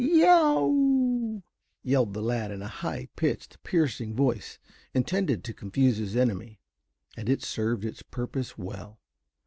"Y e o w!" yelled the lad in a high pitched, piercing voice, intended to confuse his enemy. And it served its purpose well.